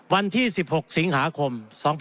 วันที่๑๖สิงหาคม๒๕๖๒